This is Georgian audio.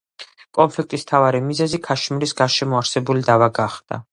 კონფლიქტის მთავარი მიზეზი ქაშმირის გარშემო არსებული დავა გახდა.